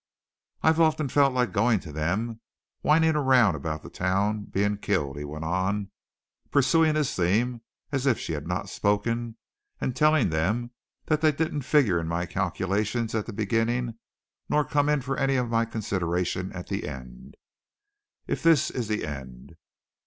"I've often felt like going to them, whining around about the town being killed," he went on, pursuing his theme as if she had not spoken, "and telling them they didn't figure in my calculations at the beginning nor come in for any of my consideration at the end if this is the end.